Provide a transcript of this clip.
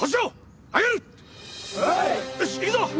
よし行くぞ！